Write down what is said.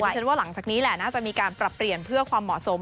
ฉันว่าหลังจากนี้แหละน่าจะมีการปรับเปลี่ยนเพื่อความเหมาะสม